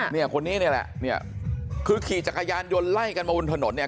เนี่ยคนนี้นี่แหละเนี่ยคือขี่จักรยานยนต์ไล่กันมาบนถนนเนี่ย